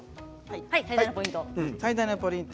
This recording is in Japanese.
最大のポイント。